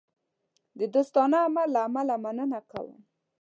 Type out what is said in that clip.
د دوستانه عمل له امله مننه کوم.